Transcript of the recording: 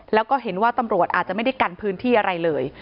แล้วก็เห็นว่าตำรวจอาจจะไม่ได้กันพื้นที่อะไรเลย